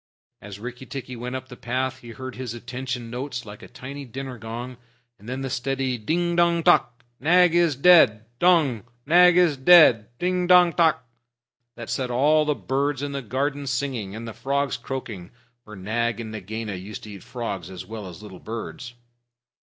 As Rikki tikki went up the path, he heard his "attention" notes like a tiny dinner gong, and then the steady "Ding dong tock! Nag is dead dong! Nagaina is dead! Ding dong tock!" That set all the birds in the garden singing, and the frogs croaking, for Nag and Nagaina used to eat frogs as well as little birds.